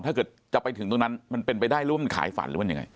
ถ้าเกิดจะไปถึงตรงนั้นมันเป็นไปได้หรือว่ามันขายฝันหรือมันยังไง